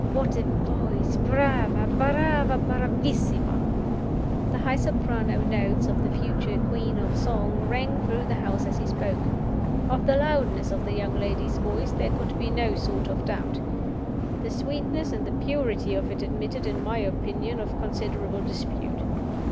What a voice! Brava! Brava! Bravissima!" The high soprano notes of the future Queen of Song rang through the house as he spoke. Of the loudness of the young lady's voice there could be no sort of doubt. The sweetness and the purity of it admitted, in my opinion, of considerable dispute.